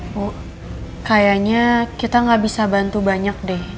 bu kayaknya kita gak bisa bantu banyak deh